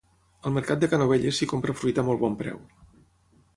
Al mercat de Canovelles s'hi compra fruita a molt bon preu